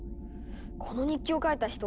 この日記を書いた人